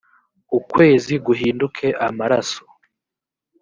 ukwezi guhinduke amaraso